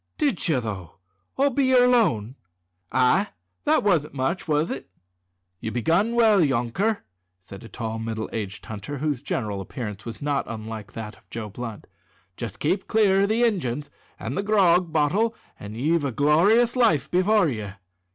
"Did ye, though, all be yer lone?" "Ay; that wasn't much, was it?" "You've begun well, yonker," said a tall, middle aged hunter, whose general appearance was not unlike that of Joe Blunt. "Jest keep clear o' the Injuns an' the grog bottle, an' ye've a glor'ous life before ye."